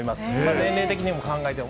年齢的に考えても。